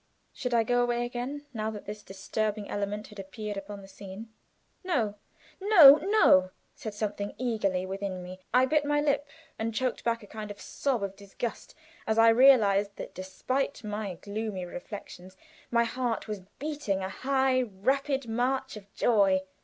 Should I go away again now that this disturbing element had appeared upon the scene? No, no, no, said something eagerly within me, and I bit my lip, and choked back a kind of sob of disgust as I realized that despite my gloomy reflections my heart was beating a high, rapid march of joy!